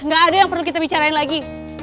gak ada yang perlu kita bicarain lagi